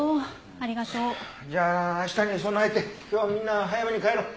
ありがとう。じゃあ明日に備えて今日はみんな早めに帰ろう。